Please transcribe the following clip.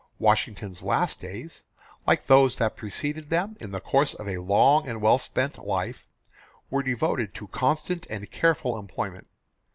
Washington's last days, like those that preceded them in the course of a long and well spent life, were devoted to constant and careful employment.